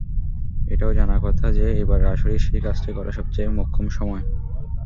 এটাও জানা কথা যে, এবারের আসরই সেই কাজটি করার সবচেয়ে মোক্ষম সময়।